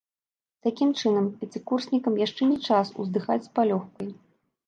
Такім чынам, пяцікурснікам яшчэ не час уздыхаць з палёгкай.